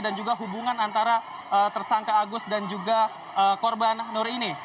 dan juga hubungan antara tersangka agus dan juga korban nur ini